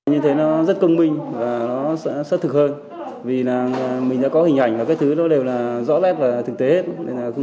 như thế nó rất công minh và nó sẽ sát thực hơn vì là mình đã có hình ảnh và các thứ đó đều là rõ ràng và thực tế hết